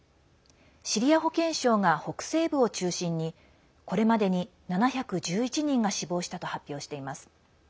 シリア保健省が、北西部を中心にこれまでに７１１人が死亡したと発表しています。